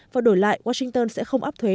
và đổi lại washington sẽ không áp thuế